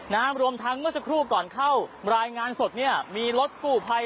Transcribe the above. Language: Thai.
รวมทั้งเมื่อสักครู่ก่อนเข้ารายงานสดเนี่ยมีรถกู้ภัย